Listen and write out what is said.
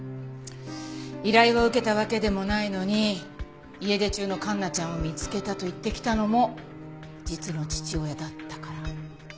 依頼を受けたわけでもないのに家出中の環奈ちゃんを見つけたと言ってきたのも実の父親だったから？